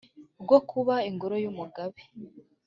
rwo kuba ingoro y'umugabe,